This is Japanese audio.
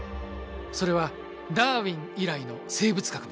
それはダーウィン以来の生物学の常識。